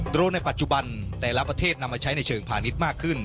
โรงในปัจจุบันแต่ละประเทศนำมาใช้ในเชิงพาณิชย์มากขึ้น